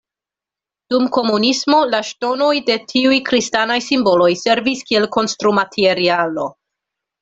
Dum komunismo la ŝtonoj de tiuj kristanaj simboloj servis kiel konstrumaterialo.